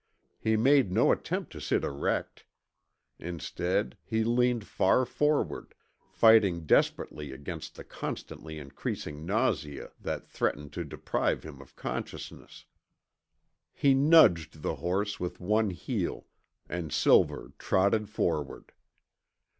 He made no attempt to sit erect. Instead he leaned far forward, fighting desperately against the constantly increasing nausea that threatened to deprive him of consciousness. He nudged the horse with one heel, and Silver trotted forward.